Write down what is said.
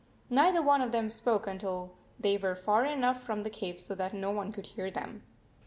Neither one of them spoke until they were far enough from the cave so that no one could hear them.